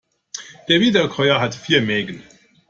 Der Wiederkäuer hat vier Mägen.